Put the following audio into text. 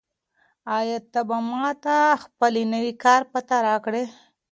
آیا ته به ماته خپله نوې کاري پته راکړې؟